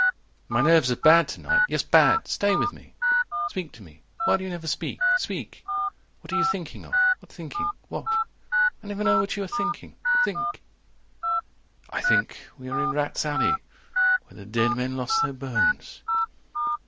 110 "My nerves are bad to night. Yes, bad. Stay with me. "Speak to me. Why do you never speak. Speak. "What are you thinking of? What thinking? What? "I never know what you are thinking. Think." I think we are in rats' alley Where the dead men lost their bones.